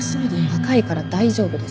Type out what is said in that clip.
若いから大丈夫です。